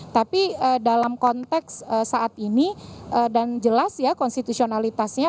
tapi dalam konteks saat ini dan jelas ya konstitusionalitasnya